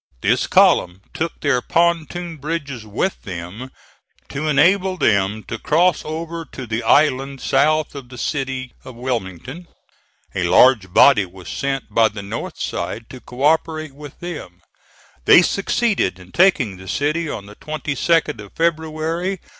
This column took their pontoon bridges with them, to enable them to cross over to the island south of the city of Wilmington. A large body was sent by the north side to co operate with them. They succeeded in taking the city on the 22d of February.